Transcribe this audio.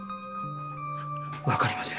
わかりません。